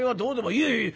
「いえいえ！